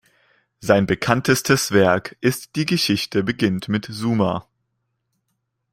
Sein bekanntestes Werk ist "Die Geschichte beginnt mit Sumer".